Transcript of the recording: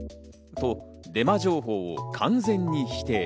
と、デマ情報を完全に否定。